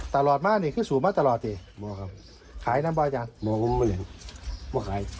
ตลอดมานี่คือสูบมาตลอดดิไม่ครับขายนั้นบ่อยจ้างไม่ขาย